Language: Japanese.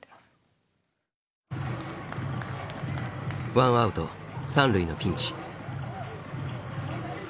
ワンアウト三塁のピンチ。